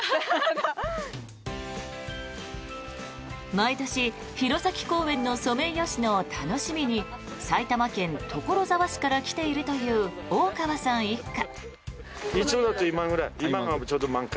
毎年、弘前公園のソメイヨシノを楽しみに埼玉県所沢市から来ているという大川さん一家。